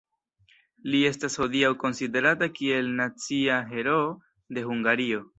Li estas hodiaŭ konsiderata kiel nacia heroo de Hungario.